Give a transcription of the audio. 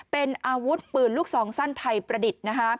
เป็นอาวุธปืนลูกซองสั้นไทยประดิษฐ์